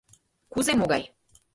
Кузе могай?